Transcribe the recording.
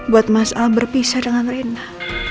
buat mas al berpisah dengan rina